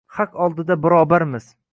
Haq oldida barobarmiz